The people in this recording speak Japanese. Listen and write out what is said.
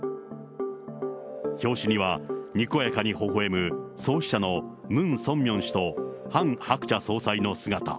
表紙には、にこやかにほほえむ創始者のムン・ソンミョン氏と、ハン・ハクチャ総裁の姿。